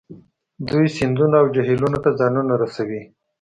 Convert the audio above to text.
دوی سیندونو او جهیلونو ته ځانونه رسوي